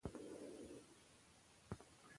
که تاسو د فعالیت څخه خوند نه واخلئ، ګټه نه لري.